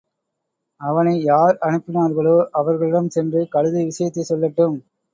அவனை யார் அனுப்பினார்களோ, அவர்களிடம் சென்று கழுதை விஷயத்தைச் சொல்லட்டும்.